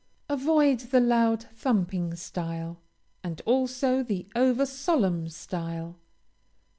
Avoid the loud, thumping style, and also the over solemn style.